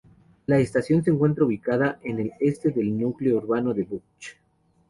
La estación se encuentra ubicada en el este del núcleo urbano de Buchs.